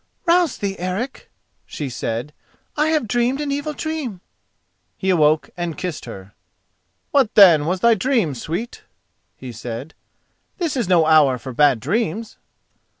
"Rouse thee, Eric," she said, "I have dreamed an evil dream." He awoke and kissed her. "What, then, was thy dream, sweet?" he said. "This is no hour for bad dreams."